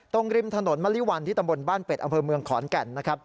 ตรงริมถนนมริวัลที่ตำรวดบ้านเป็ดอำเภอเมืองขอนแก่น